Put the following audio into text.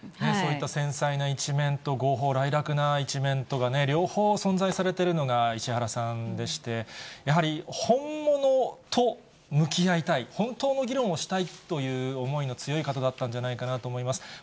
そういった繊細な一面と、豪放磊落な一面とが両方存在されてるのが石原さんでして、やはり、本物と向き合いたい、本当の議論をしたいという思いの強い方だったんじゃないかなと思います。